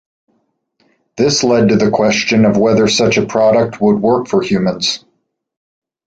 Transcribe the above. This led to the question of whether such a product would work for humans.